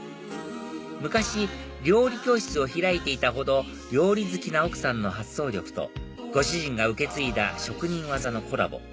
昔料理教室を開いていたほど料理好きな奥さんの発想力とご主人が受け継いだ職人技のコラボ